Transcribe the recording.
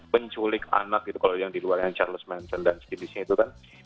kulik anak gitu kalau yang di luar yang charles manson dan segini segini itu kan